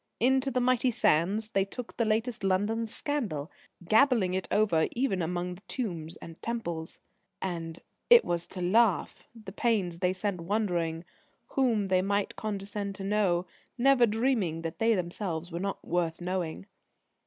Into the mighty sands they took the latest London scandal, gabbling it over even among the Tombs and Temples. And "it was to laugh," the pains they spent wondering whom they might condescend to know, never dreaming that they themselves were not worth knowing.